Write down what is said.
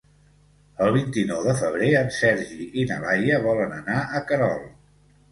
El vint-i-nou de febrer en Sergi i na Laia volen anar a Querol.